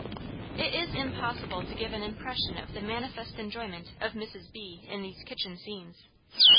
It is impossible to give an impression of the manifest enjoyment of Mrs. B. in these kitchen scenes.